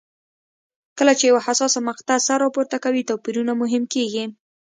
کله چې یوه حساسه مقطعه سر راپورته کوي توپیرونه مهم کېږي.